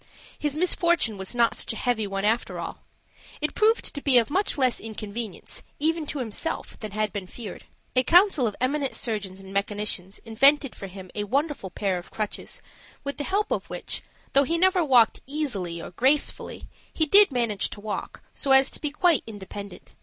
His misfortune was not such a heavy one, after all. It proved to be of much less inconvenience, even to himself, than had been feared. A council of eminent surgeons and mechanicians invented for him a wonderful pair of crutches, with the help of which, though he never walked easily or gracefully, he did manage to walk so as to be quite independent.